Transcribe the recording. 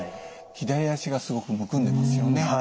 左足がすごくむくんでますよね。